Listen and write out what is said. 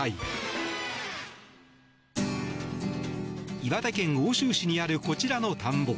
岩手県奥州市にあるこちらの田んぼ。